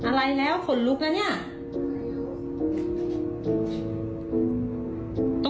อะไรแล้วขนลุกนะเนี่ย